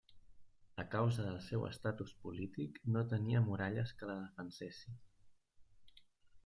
A causa del seu estatus polític no tenia muralles que la defensessin.